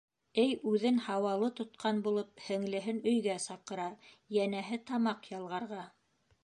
Эй үҙен һауалы тотҡан булып һеңлеһен өйгә саҡыра, йәнәһе, тамаҡ ялғарға.